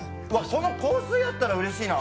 この香水あったらうれしいな。